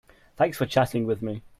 Thanks for chatting with me.